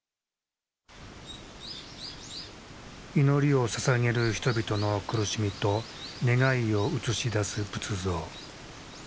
祈りをささげる人々の苦しみと願いを映し出す仏像。